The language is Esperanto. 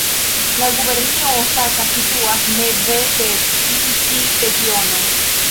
La gubernio Osaka situas meze de Kinki-regiono.